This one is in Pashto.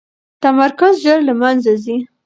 تمرکز ژر له منځه ځي.